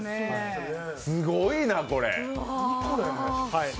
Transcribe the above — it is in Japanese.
すごいなこれ！